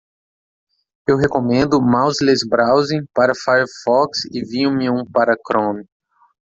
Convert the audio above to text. Eu recomendo Mouseless Browsing para Firefox e Vimium para Chrome.